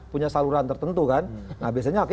punya saluran tertentu kan nah biasanya